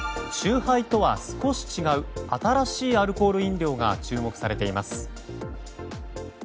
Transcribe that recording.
酎ハイとは少し違う新しいアルコール飲料が注目されています。